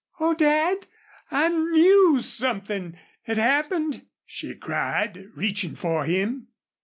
"Oh, Dad! I KNEW something had happened," she cried, reaching for him.